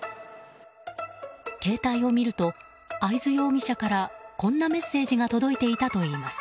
携帯を見ると会津容疑者からこんなメッセージが届いていたといいます。